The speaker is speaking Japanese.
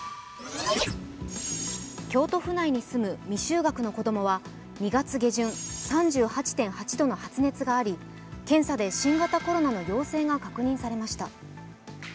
京都府内に住む未就学の子供は２月下旬、３８．８度の発熱があり、検査で新型コロナの陽性が確認されました。